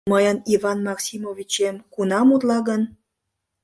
Мыйын Иван Максимовичем кунам утла гын?